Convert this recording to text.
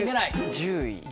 １０位。